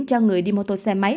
cho người đi mô tô xe máy